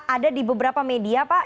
ada di beberapa media pak